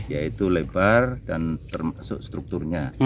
yaitu lebar dan termasuk strukturnya